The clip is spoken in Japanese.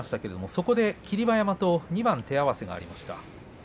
そこで霧馬山と２番手合わせがありました。